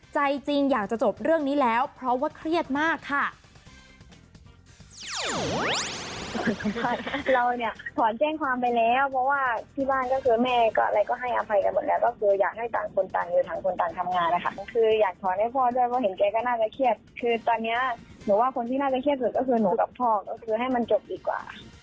ใจจริงอยากจะจบเรื่องนี้แล้วเพราะว่าเครียดมากค่ะ